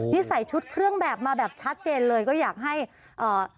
นี่ใส่ชุดเครื่องแบบมาแบบชัดเจนเลยก็อยากให้เอ่อ